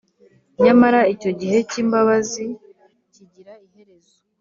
nyamara icyo gihe cy’imbabazi kigira iherezo